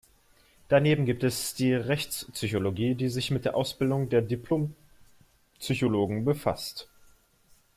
Daneben gibt es die Rechtspsychologie, die sich mit der Ausbildung der Diplompsychologen befasst.